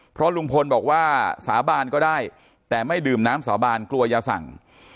เพราะลุงพลบอกว่าสาบานก็ได้แต่ไม่ดื่มน้ำสาบานกลัวจะสั่ง